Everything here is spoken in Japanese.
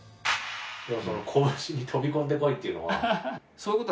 「拳に飛び込んで来い！」っていうのは。